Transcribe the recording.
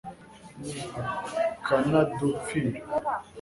akanadupfira